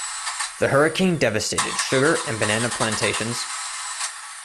The hurricane devastated sugar and banana plantations.